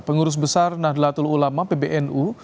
pengurus besar nahdlatul ulama pbnu